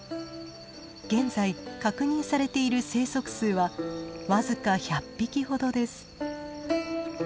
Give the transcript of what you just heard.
現在確認されている生息数は僅か１００匹ほどです。